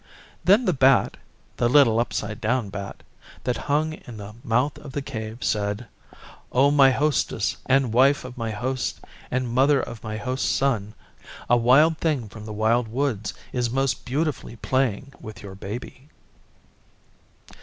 Then the Bat the little upside down bat that hung in the mouth of the Cave said, 'O my Hostess and Wife of my Host and Mother of my Host's Son, a Wild Thing from the Wild Woods is most beautifully playing with your Baby.